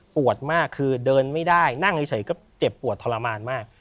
มากคือเดินไม่ได้นั่งเฉยก็เจ็บปวดทรมานมาก